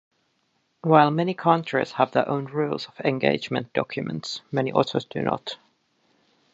While many countries have their own rules of engagement documents, many others do not.